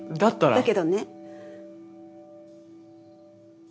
だけどね。